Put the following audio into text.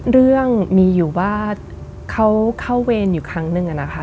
เรื่องมีอยู่ว่าเขาเข้าเวรอยู่ครั้งหนึ่งนะคะ